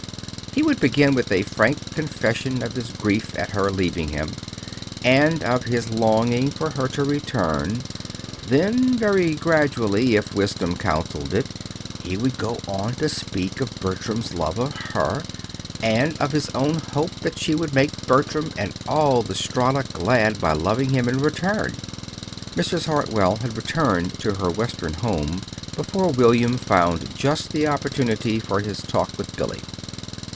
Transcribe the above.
He would begin with a frank confession of his grief at her leaving him, and of his longing for her return; then very gradually, if wisdom counseled it, he would go on to speak of Bertram's love for her, and of his own hope that she would make Bertram and all the Strata glad by loving him in return. Mrs. Hartwell had returned to her Western home before William found just the opportunity for his talk with Billy.